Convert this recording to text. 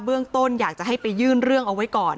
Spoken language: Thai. เรื่องต้นอยากจะให้ไปยื่นเรื่องเอาไว้ก่อน